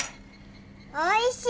おいしい！